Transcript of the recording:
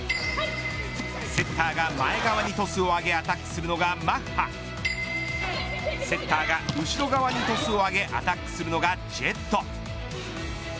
セッターが前側にトスを上げアタックするのがマッハセッターが後ろ側にトスを上げアタックするのがジェット。